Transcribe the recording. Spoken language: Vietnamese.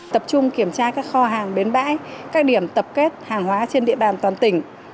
tập trung kiểm tra các kho hàng bến bãi các điểm tập kết hàng hóa trên địa bàn toàn tỉnh